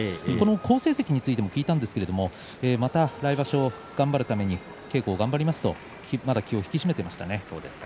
好成績についても聞いたんですけどまた来場所頑張るために稽古を頑張りますとまた気を引き締めていました。